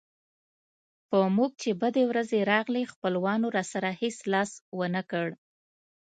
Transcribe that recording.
په موږ چې بدې ورځې راغلې خپلوانو راسره هېڅ لاس ونه کړ.